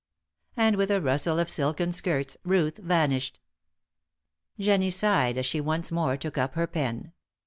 And with a rustle of silken skirts Ruth vanished. Jennie sighed as she once more took up her pen.